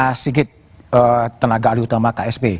pak sigit tenaga alih utama ksp